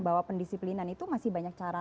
bahwa pendisiplinan itu masih banyak cara